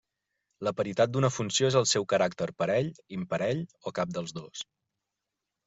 La paritat d'una funció és el seu caràcter parell, imparell, o cap dels dos.